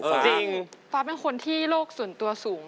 จริงฟ้าเป็นคนที่โลกส่วนตัวสูง